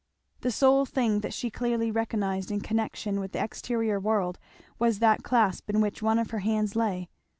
The sole thing that she clearly recognized in connection with the exterior world was that clasp in which one of her hands lay.